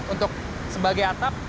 untuk sebagai atap